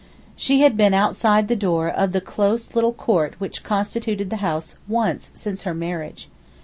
She had been outside the door of the close little court which constituted the house once since her marriage.